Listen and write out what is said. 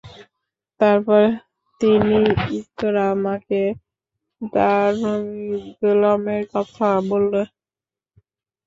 তারপর তিনি ইকরামাকে তার রুমী গোলামের কথা বলল।